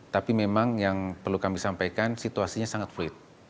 tapi memang yang perlu kami sampaikan situasinya sangat fluid